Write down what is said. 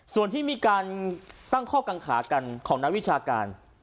ส่วนที่มีการตั้งข้อกังขากันของนักวิชาการ